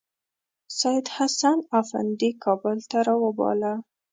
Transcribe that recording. سیدحسن افندي کابل ته راوباله.